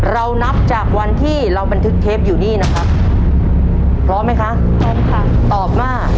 เรานับจากวันที่เราบันทึกเทปอยู่นี่นะครับ